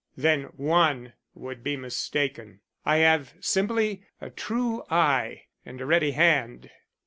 "Then one would be mistaken. I have simply a true eye and a ready hand."